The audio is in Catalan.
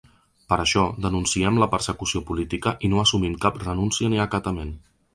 Per això, denunciem la persecució política i no assumim cap renúncia ni acatament.